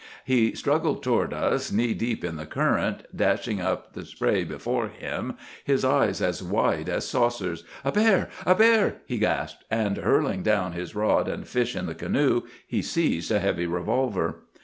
He struggled toward us knee deep in the current, dashing up the spray before him, his eyes as wide as saucers. "A bear! A bear!" he gasped; and hurling down his rod and fish in the canoe he seized a heavy revolver.